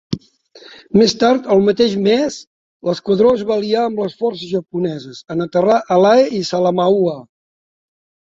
Més tard el mateix mes, l'esquadró es va aliar amb les forces japoneses en aterrar a Lae i Salamaua.